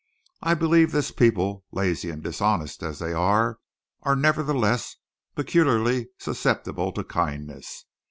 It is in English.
I believe this people, lazy and dishonest as they are, are nevertheless peculiarly susceptible to kindness.